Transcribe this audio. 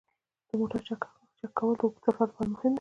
د موټر چک کول د اوږده سفر لپاره مهم دي.